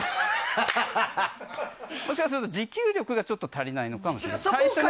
もしかすると持久力が足りないのかもしれない。